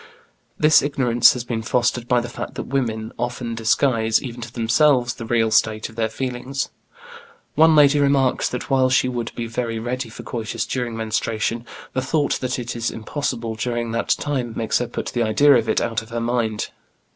This ignorance has been fostered by the fact that women, often disguise even to themselves the real state of their feelings. One lady remarks that while she would be very ready for coitus during menstruation, the thought that it is impossible during that time makes her put the idea of it out of her mind.